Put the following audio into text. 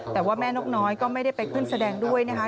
แต่ว่าแม่นกน้อยก็ไม่ได้ไปขึ้นแสดงด้วยนะคะ